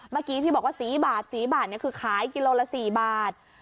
เมื่อกี้ที่บอกว่าสี่บาทสี่บาทเนี้ยคือขายกิโลละสี่บาท